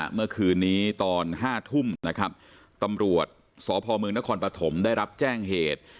เมื่อคืนนี้ตอน๕ทุ่มนะครับตำรวจสพเมืองนครปฐมได้รับแจ้งเหตุ